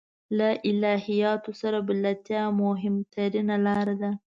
له الهیاتو سره بلدتیا مهمترینه لاره ده.